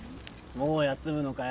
もう休むのかよ。